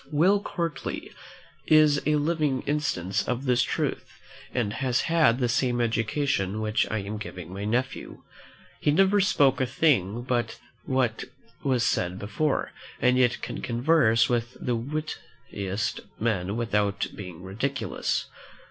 Will Courtly is a living instance of this truth, and has had the same education which I am giving my nephew. He never spoke a thing but what was said before, and yet can converse with the wittiest men without being ridiculous.